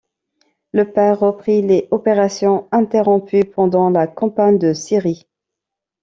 Le Père reprit les opérations interrompues pendant la Campagne de Syrie.